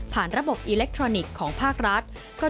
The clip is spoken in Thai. ระบบอิเล็กทรอนิกส์ของภาครัฐ